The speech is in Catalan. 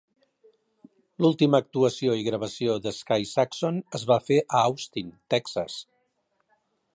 L'última actuació i gravació d'Sky Saxon es va fer a Austin (Texas).